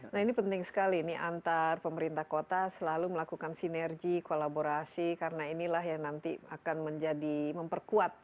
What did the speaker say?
nah ini penting sekali ini antar pemerintah kota selalu melakukan sinergi kolaborasi karena inilah yang nanti akan menjadi memperkuat